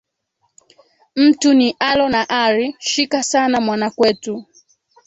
Mtu ni alo na ari, shika sana mwana kwetu